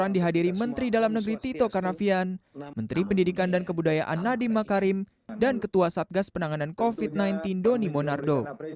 dihadiri menteri dalam negeri tito karnavian menteri pendidikan dan kebudayaan nadiem makarim dan ketua satgas penanganan covid sembilan belas doni monardo